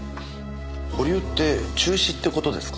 保留って中止って事ですか？